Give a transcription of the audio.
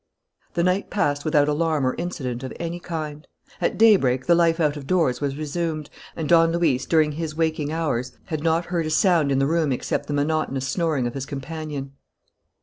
The night passed without alarm or incident of any kind. At daybreak the life out of doors was resumed; and Don Luis, during his waking hours, had not heard a sound in the room except the monotonous snoring of his companion.